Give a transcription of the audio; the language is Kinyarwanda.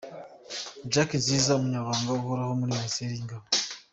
-Jack Nziza, umunyamabanga uhoraho muri ministeri y’ingabo